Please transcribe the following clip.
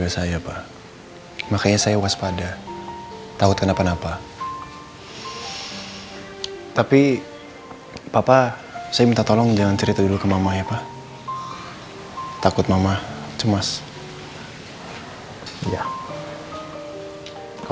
sampai jumpa di video selanjutnya